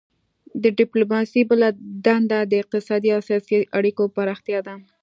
د ډیپلوماسي بله دنده د اقتصادي او سیاسي اړیکو پراختیا ده